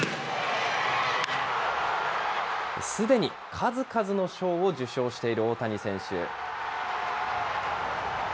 すでに数々の賞を受賞している大谷選手。